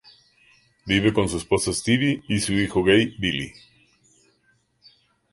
Vive con su esposa Stevie y su hijo gay Billy.